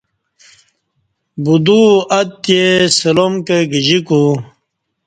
بدوو اتی سلام کہ گجیکو